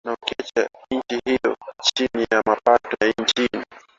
na kuiacha nchi hiyo chini ya mapato ya chini